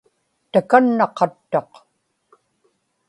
takanna qattaq